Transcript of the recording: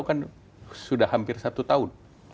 kan sudah hampir satu tahun